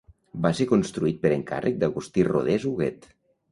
Va ser construït per encàrrec d'Agustí Rodés Huguet.